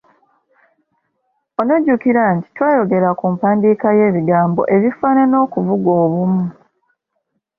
Onojjukira nti twayogera ku mpandiika y'ebigambo ebifaanana okuvuga obumu.